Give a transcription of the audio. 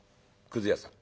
「くず屋さん